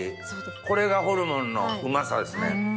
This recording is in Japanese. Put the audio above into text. これがホルモンのうまさですね。